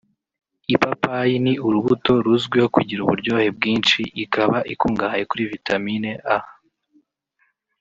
Ipapayi ni urubuto ruzwiho kugira uburyohe bwinshi ikaba ikungahaye kuri vitamine A